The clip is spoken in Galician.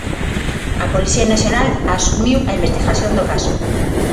A Policía Nacional asumiu a investigación do caso.